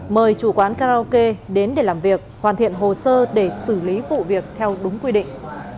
mời chủ quán karaoke đến để làm việc hoàn thiện hồ sơ để xử lý vụ việc theo đúng quy định